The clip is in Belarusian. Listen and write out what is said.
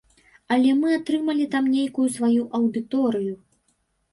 Але мы атрымалі там нейкую сваю аўдыторыю.